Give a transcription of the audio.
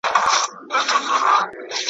په لمنو کي لالونه ,